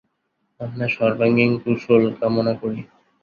আপনার সর্বাঙ্গীণ কুশল কামনা করি।